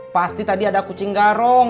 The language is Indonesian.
pasti tadi ada kucing garong